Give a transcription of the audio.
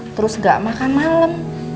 terus gak makan malem